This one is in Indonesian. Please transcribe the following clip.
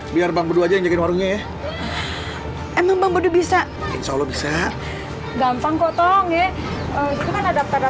biar bangkut aja ngejar warungnya ya emang bisa insya allah bisa gampang kotong ya